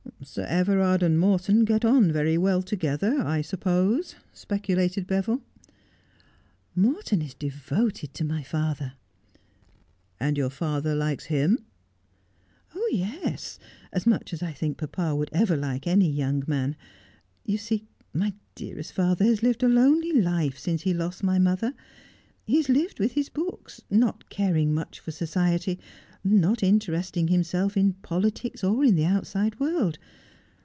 ' Sir Everard and Morton get on very well together, I sup pose,' speculated Beville. ' Morton is devoted to my father.' ' And your father likes him 'I '' Oh yes, as much as I think papa would ever like any young man. You see, my dearest father has lived a lonely life since he Christmas at Tangley Manor. 137 lost my mother. He has lived with his books, not caring much for society, not interesting himself in politics, or in the outside world.